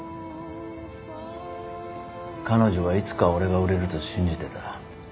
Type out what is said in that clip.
彼女はいつか俺が売れると信じてた。